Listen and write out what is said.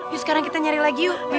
yuk sekarang kita nyari lagi yuk